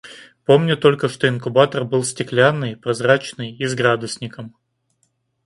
Помню только, что инкубатор был стеклянный, прозрачный и с градусником.